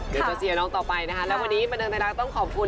เดี๋ยวจะเสียน้องต่อไปนะคะแล้ววันนี้บรรณฐานักต้องขอบคุณ